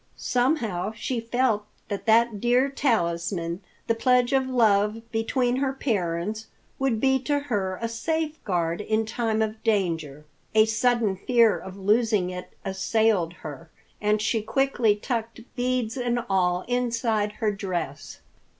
Somehow she felt that that dear talisman, the pledge of love between her parents, would be to her a safeguard in time of danger. A sudden fear of losing it assailed her, and she quickly tucked beads and all inside her dress.